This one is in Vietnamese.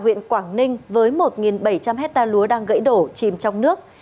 huyện quảng ninh với một bảy trăm linh hectare lúa đang gãy đổ chìm trong nước